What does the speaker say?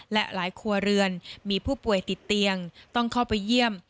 และหลายครัวเรือนมีผู้ป่วยติดเตียงต้องเข้าไปเยี่ยม